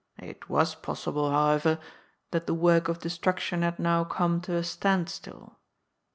It was possible, however, that the work of destruction had now come to a standstill.